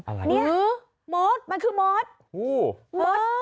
อะไรนี่มดมันคือมดโอ้โห